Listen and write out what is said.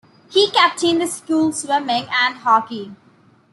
He captained the school's swimming and hockey.